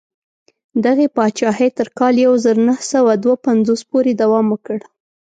دغې پاچاهۍ تر کال یو زر نهه سوه دوه پنځوس پورې دوام وکړ.